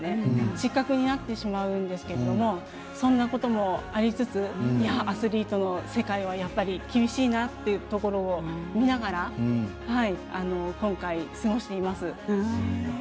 失格になってしまうんですけれどもそんなこともありつつアスリートの世界はやっぱり厳しいなというところを見ながら今回、過ごしています。